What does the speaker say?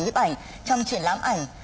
nhiếp ảnh trong triển lãm ảnh